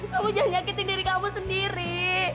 kamu jangan yakin diri kamu sendiri